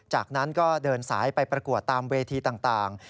จากนั้นก็เดินสายไปประกวดตามเวทีต่าง